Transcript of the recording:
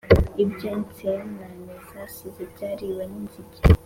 Ibyo insanane zasize, byariwe n’inzige;